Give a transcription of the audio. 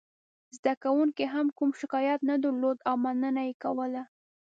زده کوونکو هم کوم شکایت نه درلود او مننه یې کوله.